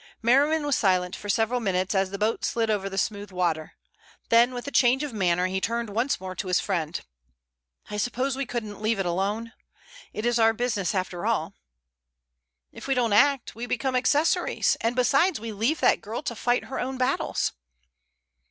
Merriman was silent for several minutes as the boat slid over the smooth water. Then with a change of manner he turned once more to his friend. "I suppose we couldn't leave it alone? Is it our business after all?" "If we don't act we become accessories, and besides we leave that girl to fight her own battles."